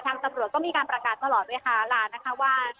ทางตำรวจต้องมีการประกาศตลอดด้วยค่ะลานะคะว่า